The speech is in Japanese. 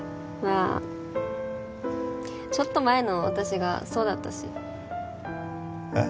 あちょっと前の私がそうだったしえっ？